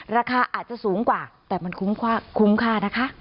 ราคาอาจจะสูงกว่าแต่มันคุ้มค่านะคะ